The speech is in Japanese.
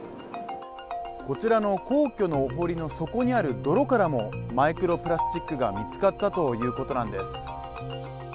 こちらの皇居のお堀の底にある泥からもマイクロプラスチックが見つかったということなんです。